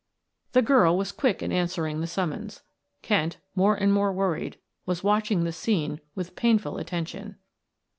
The girl was quick in answering the summons. Kent, more and more worried, was watching the scene with painful attention.